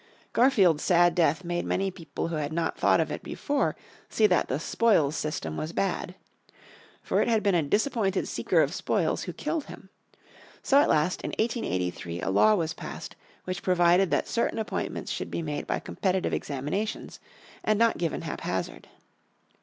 Garfield's sad death made many people who had not thought of it before see that the "spoils system" was bad. For it had been a disappointed seeker of spoils who killed him. So at last in 1883 a law was passed which provided that certain appointments should be made by competitive examinations, and not given haphazard.